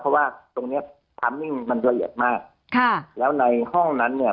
เพราะว่าตรงเนี้ยมันเรียกมากค่ะแล้วในห้องนั้นเนี่ย